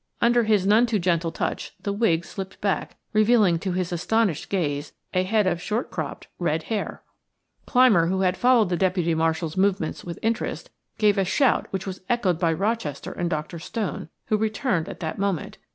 Under his none too gentle touch the wig slipped back, revealing to his astonished gaze a head of short cropped, red hair. Clymer, who had followed the deputy marshal's movements with interest, gave a shout which was echoed by Rochester and Dr. Stone, who returned at that moment.